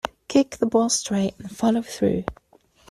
Kick the ball straight and follow through.